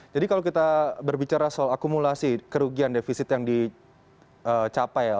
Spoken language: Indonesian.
jadi kalau kita berbicara soal akumulasi kerugian defisit yang dicapai